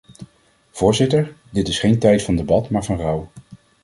Voorzitter, dit is geen tijd van debat maar van rouw.